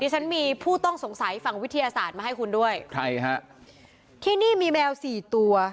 ฉันมีผู้ต้องสงสัยฝั่งวิทยาศาสตร์มาให้คุณด้วยใครฮะที่นี่มีแมวสี่ตัว